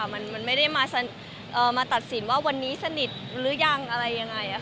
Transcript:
มันไม่ได้มาตัดสินว่าวันนี้สนิทหรือยังอะไรยังไง